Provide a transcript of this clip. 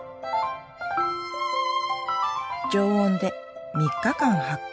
常温で３日間発酵。